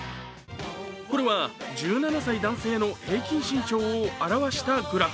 これは１７歳男性の平均身長を表したグラフ。